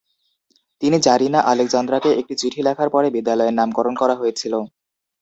তিনি জারিনা আলেকজান্দ্রাকে একটি চিঠি লেখার পরে বিদ্যালয়ের নামকরণ করা হয়েছিল।